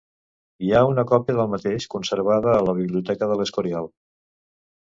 Hi ha una còpia del mateix conservada a la biblioteca de l'Escorial.